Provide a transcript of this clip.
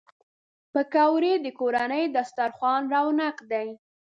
پکورې د کورني دسترخوان رونق دي